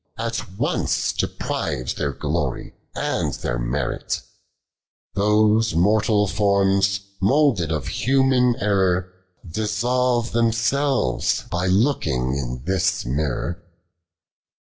At once deprives their glory and their meiit ; Those mortal forms, moulded of humane error. Dissolve themselves by looking in this mirror.